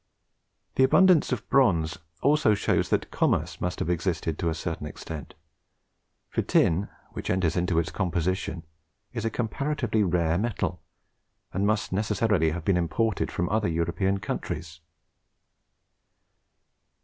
The abundance of bronze also shows that commerce must have existed to a certain extent; for tin, which enters into its composition, is a comparatively rare metal, and must necessarily have been imported from other European countries.